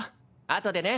あとでね。